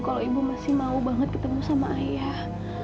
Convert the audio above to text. kalau ibu masih mau banget ketemu sama ayah